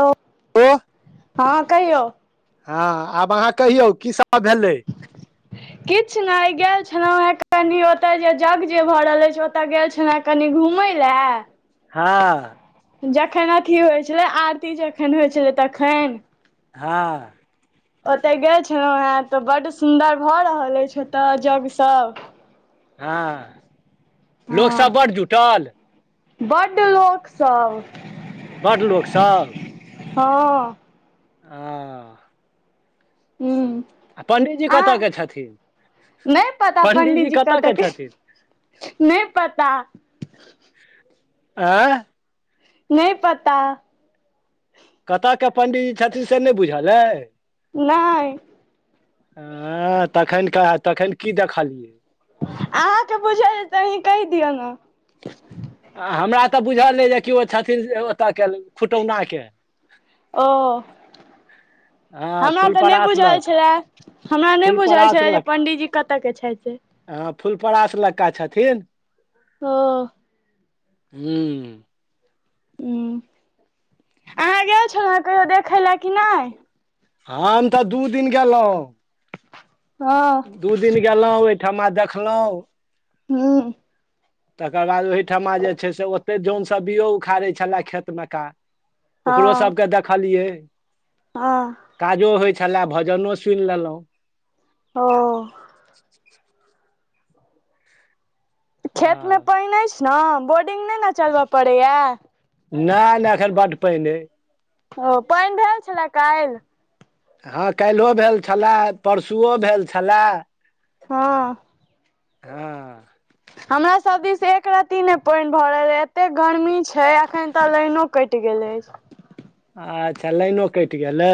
हो ओ हँ कहिौ हँ आब आहाँ कहियौ की सब भेलै [inaudible] [unintelligible] किछु ने गेल छलहु हे कनि ओतय जे जग जे भऽ रहल अछि ओतय गेल छलहु कनि घुमय लए हँ जखन अथी होइत छलै आरती जखन होइत छलै तखन हँ ओतय गेल छलहुँ हेँ तऽ बड्ड सुन्दर भऽ रहल अछि ओतय यग्ञ सब हँ लोकसब बड जुटल बड लोक स‌ब बड लोक सब हँ ह हू पण्डीजी आ कतय के छथिन नहि पता पण्डीजी पंडीजी कतय कत के गेल छथिन नहि पता आँ नहि पता कतय के पंडीजी छथिन से नहि बुझल अय नहि ह तखन कह तखन की देखलियै अहाँके बुझल तऽ अही कहि दियौ ने आ हमरा तऽ बुझल नहि जे कि ओ छथिन ओतय के खुटौनाक के ओ हँ हमरा तऽ नहि फुलपरास बुझल लग छलए हमरा नहि बुझल फुलपरास छलए जे लग पंणडीजी कतय के छथि हँ फुलपरास लक्का छथिन ह हु ह अहाँ गेल छलहुँ है कहियो देखै लए कि नहि हम तऽ दू दिन गेलौं ह दू दिन गेलहुँ ओहिठमा देखलहुँ हँ तकर बाद ओहिठमा जे छै से ओते जन सब्जियो उखाड़ै छलए खेतमे का ओकरो हँ सबके देखलियै हँ काजो होइत छलय भजनो सुनि लेलौं ओ खेतमे हँ पानि अछि ने बोर्डिंग नहि ने चलबय पड़ैय नहि नहि एखन बड पाइन अय ओ पानि भेल छलै काल्हि हँ काल्हियो भेल छलै परसुओ भेल छलै हँ हँ हमरा सब दिस एक रति नहि पानि भऽ रहल एते गर्मी छै अखन तऽ लाइनो कटि गेल अछि अच्छा लाइनो कटि गेलै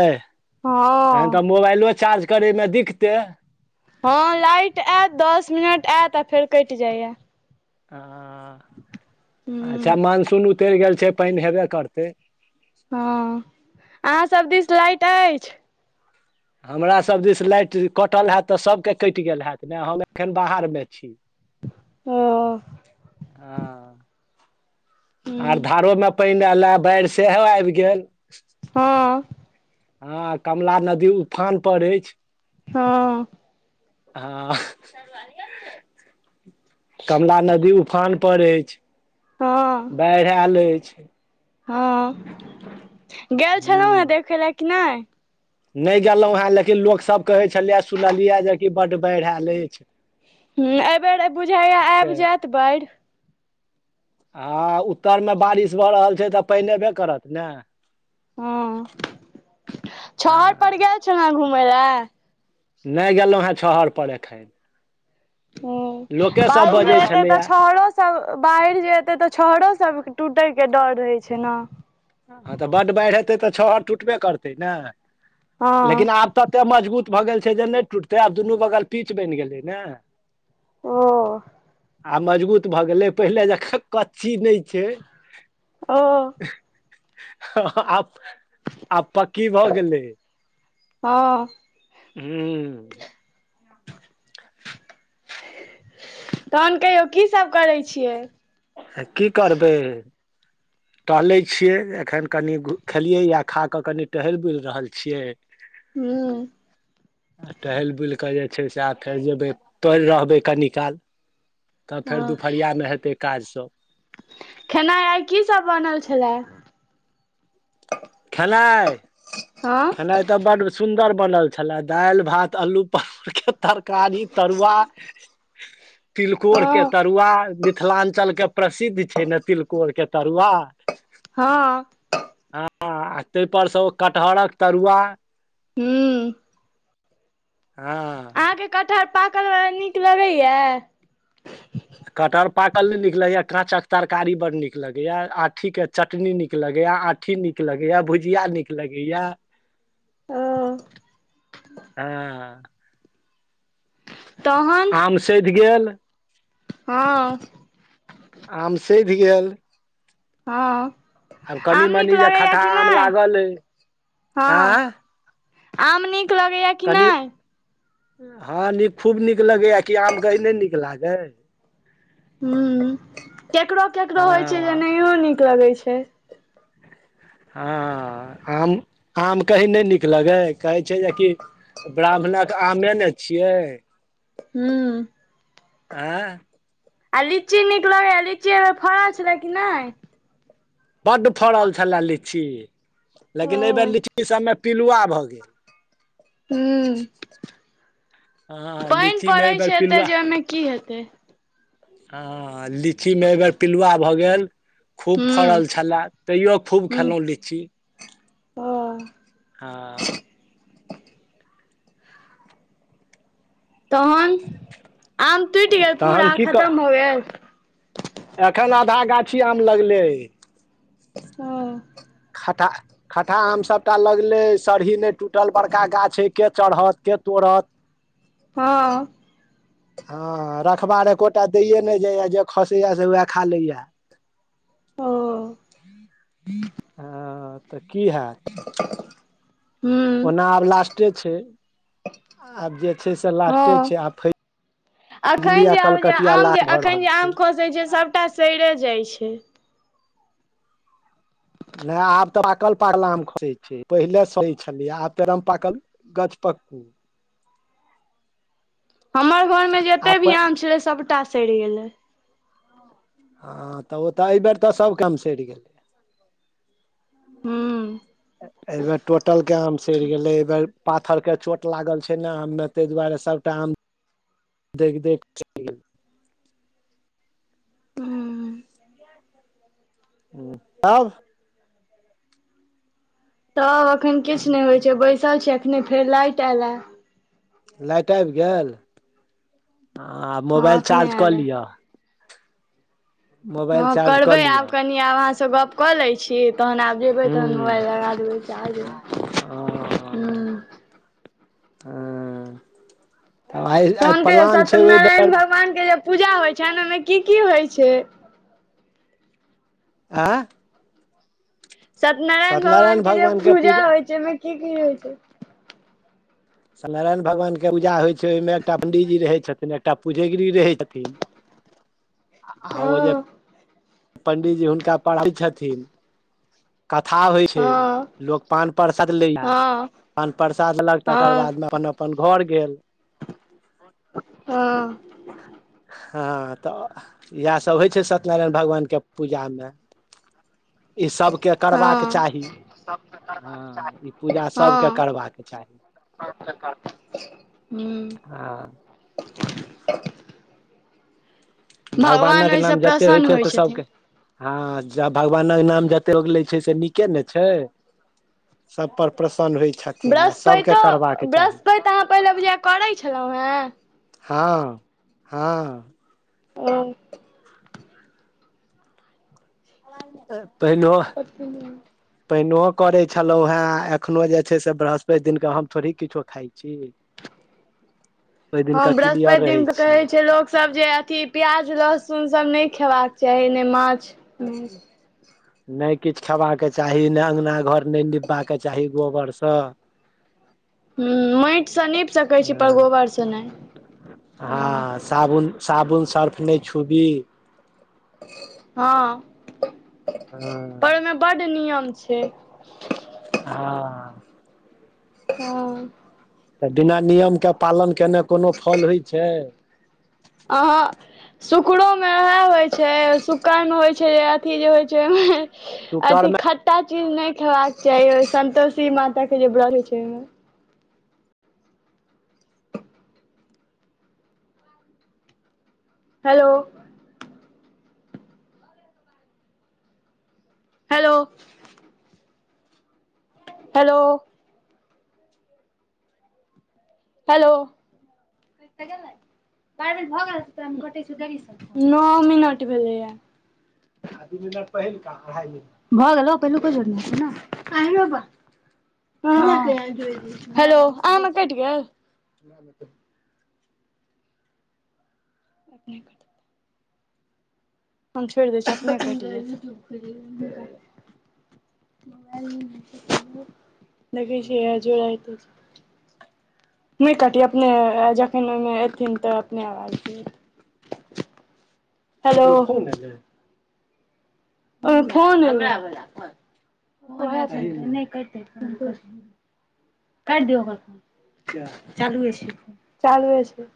हँ तहन तऽ मोबाइलो चार्ज करयमे दिकतै हँ लाइट एत दस मिनट आयत आ फेर कटि जाइय ह हूँ अच्छा मानसून उतरि गेल छै पानि हेबे करतै हँ अहाँसभ दिस लाइट अछि हमरा सभ दिस लाइट कटल हैत तऽ सभके कटि गेल हैत ने हम एखन बाहर मे छी ओ हँ आर हूँ धारोमे पानि एयलाए बाढ़ि सेहो आबि गेल हँ हँ कमला नदी उफान पर अछि हँ हँ कमला नदी उफान पर अछि हँ बाढ़ि आयल अछि हँ गेल छलहुँ हँ हूँ देखै लए कि नहि नहि गेलहुं हें लेकिन लोक सब कहे छलिये सुनलिये जेक बड्ड बाढ़ि आयल अछि हँ एहिबेर बुझाय से आबि जायत बाढ़ि आ उत्तरमे बारिश भऽ रहल छै तऽ पानि अयबे करत ने हँ छहर हँ पर गेल छलै न घुमय लए नहि गेलहुँ हँ छहर पर एखन ह लोकेसभ बाढ़ि जे बजै एतय तऽ छलैए छहरस सब बाढ़ जे एते तऽ छहरो सब टूटे के डर रहय छै ने हँ तऽ बड्ड बाढ़ि हेतै तऽ छहहर टूटबे करतै ने हँ लेकिन आब तते मजबूत भऽ गेल छै जे नहि टूटतै आब दुनू बगल पीच बनि गेलै ने ओ आ मजबूत भए गेले पहिले जकाँ कचछी नहि छै ओ आब आब पक्की भऽ गेलै हँ हू हू तहन कहियौ की सब करै छियै की करबै टहले छियै एखन कनि खेलियै या खा कऽ कनि टहल बुलि रहल छियै हूँ आ टहेल बुलि कऽ से आ फेर जेबै प रहबै कनि काल तब फेर हँ दुपहरिया मे हेतै काज सब खेनाइ आइ की सब बनल छलए खेनाइ हँ खेनाइ तऽ बड्ड सुन्दर बनल छले दालि भात अल्लू परवल के तरकारी तरुआ [inaudible] तिलकोर के हँ तरुआ मिथिलांचल के प्रसिद्ध छै ने तिलकोर के तरुआ हँ हँ आ तहिपर सँ ओ कटहरक तरुआ हूंम्म हँ अहाँके कटहर पाकलवला नीक लगैए कटहर पाकल नहि नीक लगैया काँचक तरकारी बड नीक लगैया आठी के चटनी नीक लगैया आ कि नीक लगेया भुजिया नीक लगेया ह [inaudible] हँ तहन आम सधि गेल हँ आम सधि गेल हँ आब कनि आम नीक मनी जे लगैया खटठा कि आम नहि लागल अय हँ आम नीक लगैया कि कनी नहि हँ नीक खूब नीक लगैया कि आमके नहि नीक लागै हूंम्म केकरो केकरो होइत छै जे हँ नहियो नीक लगैत छै हँ आम आम कही नहि निक लगै कहै छै जेकि ब्राह्मणक आमे ने छियै हूंम्म आंय आ लीची नीक लगै लीचीमे फड़ल छलै कि नहि बड्ड फड़ल छलए लीची लेकिन एहि बेर ओ लीची सभमे पिलुआ भऽ गेल हंम्म हँ पानि लीचीमे पड़ै एहि बेर छै एते पिलुआ जे ओहिमे की हेतै हँ लीचीमे अगर पिलुआ भऽ गेल खूब हूँ फड़ल छलय तैयो खूब हूँ खेलहुँ लीची तहन हँ तहन आम टुटि गेल तहन पूरा की खतम कह भऽ गेल एखन आधा गाछी आम लगले अय हँ खटठा खटठा आम सभटा लगलै सरही नहि टूटल बड़का गाछ एके चढ़त के तोड़त हँ हँ रखबार एकोटा दये ने जाइये जे खसेया से वएह खा लेया हँ तऽ की हैत [inaudible] ओना आब लास्टे छै आब जे छै से लास्टे छै आ फ फैजली एखन जे आब जे आम जे लास्ट भऽ एखन रहल जे छै आम खोसैत छै सभटा सड़े जाइत छै नहि आब तऽ पाकल पाकल आम [unintelligible] छै पहिले सड़ै [unintelligible] छलियै आब ते एकदम पाकल गछपक्कू हमर घरमे जते आब भी प आम छलै सभटा सड़ि गेलै हँ तऽ ओ तऽ एहिबेर तऽ सब आम सड़ि गेलै हूँ त एहि बेर टोटल के आम सड़ि गेलै एहि बेर पाथर के चोट लागल छै ने आम मे ताहि दुआरे सब आम देख देख तब [unintelligible] तब एखन किछु नहि होइ छै बैसल छी अखने फेर लाइट एयल लाइट आबि गेल आ हँ मोबाइल एखने चार्ज कऽ एयलए लिअ मोबाइल हँ चार्ज कऽ करबै आब लिअ कनि आब अहाँसँ गप कऽ लै छी तहन आब जेबै तहन हूँ मोबाइल लगा देबै ओ चार्जमे हू हँ तब आइ आइ तहन केे प्लान छै ओहि बेर सत्यनारायण भगवान के जे पूजा होइ छनि ओहिमे की की होइ छै आंय सत्यनारायण भगवान के जे पूजा होइ छै ओहिमे की की होइ छै सत्य नारायण भगवान के पूजा होइ छै ओहिमे एकटा पंडीजी रहै छथिन एकटा पूजगिरी रहै छथिन [inaudible] [unintelligible] ओ जे हँ पण्डी जी हुनका पढ़बै छथिन कथा होइ छै हँ लोग पान परसाद ले या हँ पान परसाद लेलक तकर हँ बादमे अपन अपन घर गेल हँ हँ तऽ इएहसभ होय छै सत्यनारायण भगवानके पूजामे इसबके करबाक हँ चाही हँ ई पूजा सभके हँ करबाक चाही ह्म्म हँ [unintelligible] भगवान भगवानक ओहिसँ नाम जते होय प्रसन्न छै होइ से छथिन सबके हँ भगवानक नाम जते लोग लै छै से नीके ने छै सब पर प्रसन्न होय छै ब्रस्पैतो ब्रस्पैत अहाँ पहिनेे बुझाय करैत छलहुँ हेँ हँ हँ ओ पहिनो अथी पहनिओ करे छलहुँ हें एखनो जे छै से बृहस्पति दिन के हम थोड़ी किछो खइ छी ओहि हँ दिनका क्लियर बृहस्पति दिन रहै तऽ छियै कहै छै लोक सब जे अथी प्याज लहसुनसभ नहि खेबाक चाही ने माछ नहि किछु खेबाकप के चाही ने अगंना घर नहि निपबाक के चाही गोबरसँ ह माटिसँ नीप सकैत छी पर गोबरसँ नहि हूँ हँ साबुन साबुन सर्फ नहि छूबी हँ पर हँ ओहिमे बड नियम छै हँ हँ तऽ बिना नियमके पालन केने कोनो फल होइत छै अहाँ शुकड़ोमे वएह होइत छै शुकड़मे होइ छै जे अथी जे होइ छै अथी शुकरमे खट्टा चीज नहि खेबाक चाही संन्तोषी माता के जे व्रत होय छै ओहिमे हेलो हेलो हेलो हेलो नओ मिनट भेलै ये आ दु मिनट पहिलका अढ़ाइ मिनट ल [unintelligible] भऽ गेल पहलुके झोड़ने छै ने आइरौबा हेलो अहाँ मे कटि गेल त [unintelligible] अपने करत [unintelligible] हम छोइर दै छियै अपने कट जेतै मोबाईल मै [inaudible] लगे छै जड़त [unintelligible] नहि कटियै अपने जखन ओहिमे एथिन तऽ अपने आवाज हेलो ओ फोन एलै काटि दियऔ ओकर फौन चालूए छै चालूए छै